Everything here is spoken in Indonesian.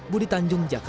budi tanjung jakarta